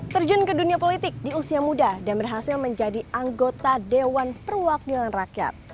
terjun ke dunia politik di usia muda dan berhasil menjadi anggota dewan perwakilan rakyat